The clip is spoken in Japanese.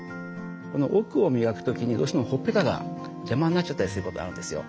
この奥を磨く時にどうしてもほっぺたが邪魔になっちゃったりすることあるんですよ。